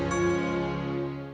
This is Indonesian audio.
ini yang gue